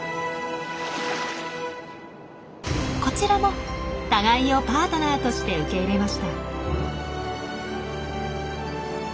こちらも互いをパートナーとして受け入れました。